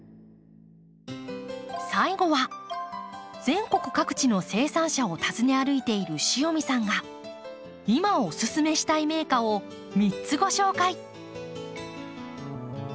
最後は全国各地の生産者を訪ね歩いている塩見さんが今お勧めしたい名花を３つご紹介。